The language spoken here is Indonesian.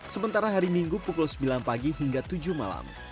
sementara hari minggu pukul sembilan pagi hingga tujuh malam